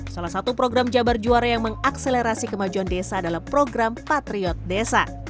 salah satu program jabar juara yang mengakselerasi kemajuan desa adalah program patriot desa